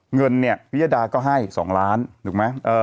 เงินเนี่ยพิยดาก็ให้๒ล้านถูกไหม